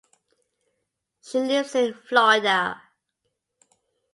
She lives in Florida.